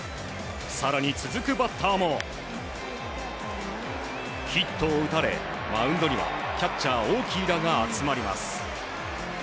更に、続くバッターもヒットを打たれマウンドにはキャッチャー、オーキーらが集まります。